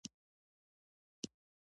ښوونځی موږ له بې لارې کېدو ژغوري